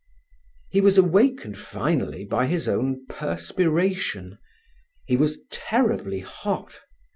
He was awakened finally by his own perspiration. He was terribly hot.